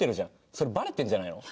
それバレてるんじゃないの？